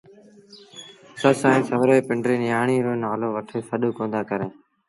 سس ائيٚݩ سُورو پنڊري نيٚآڻي رو نآلو وٺي سڏ ڪوندآ ڪريݩ